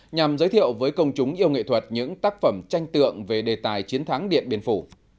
nhằm giới thiệu với công chúng yêu nghệ thuật những tác phẩm tranh tượng về đề tài chiến thắng điện biên phủ